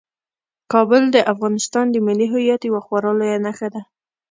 کابل د افغانستان د ملي هویت یوه خورا لویه نښه ده.